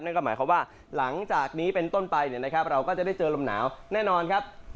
นั่นก็หมายความว่าหลังจากนี้เป็นต้นไปเนี่ยนะครับเราก็จะได้เจอลมหนาวแน่นอนครับ